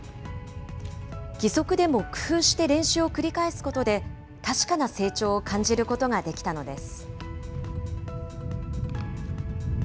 義足でも工夫して練習を繰り返すことで、確かな成長を感じることができたのです。